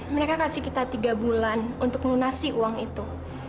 mereka kasih kita tiga bulan untuk melunasi uang itu